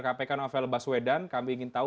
kpk novel baswedan kami ingin tahu